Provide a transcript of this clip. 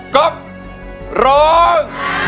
กบร้อง